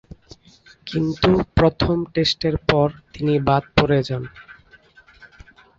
কিন্তু প্রথম টেস্টের পর তিনি বাদ পড়ে যান।